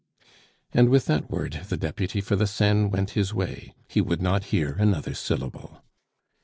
And with that word, the deputy for the Seine went his way; he would not hear another syllable.